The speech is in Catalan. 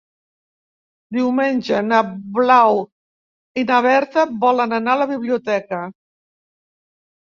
Diumenge na Blau i na Berta volen anar a la biblioteca.